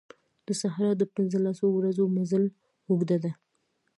دا صحرا د پنځه لسو ورځو مزل اوږده ده.